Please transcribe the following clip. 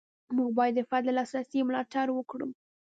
موږ باید د فرد د لاسرسي ملاتړ وکړو.